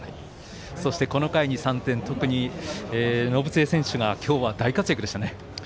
そしてこの回に３点特に延末選手が大活躍でしたね。